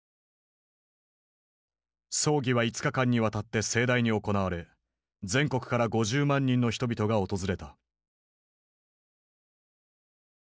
葬儀は５日間にわたって盛大に行われ全国から５０万人の人々が訪れた。